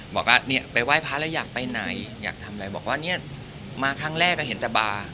บอกว่าเนี่ยไปไหว้พระแล้วอยากไปไหนอยากทำอะไรบอกว่าเนี่ยมาครั้งแรกก็เห็นแต่บาร์